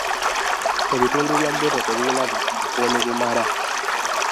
Ebitundu bya ggeto tebirina bukuumi bumala.